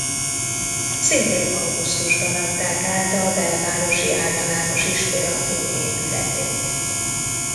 Szintén augusztusban adták át a Belvárosi Általános Iskola új épületét.